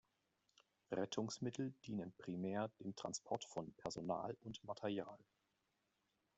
Rettungsmittel dienen primär dem Transport von Personal und Material.